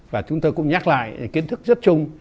và chúng tôi cũng nhắc lại kiến thức rất chung